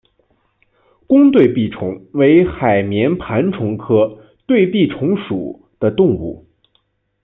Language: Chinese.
弓对臂虫为海绵盘虫科对臂虫属的动物。